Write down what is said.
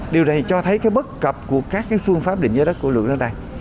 điều này cho thấy cái bất cập của các cái phương pháp định giá đất của lượng đất đai